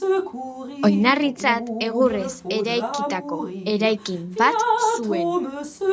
Oinarritzat egurrez eraikitako eraikin bat zuen.